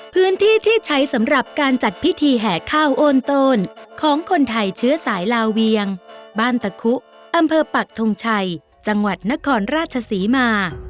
พื้นที่ที่ใช้สำหรับการจัดพิธีแห่ข้าวโอนโตนของคนไทยเชื้อสายลาเวียงบ้านตะคุอำเภอปักทงชัยจังหวัดนครราชศรีมา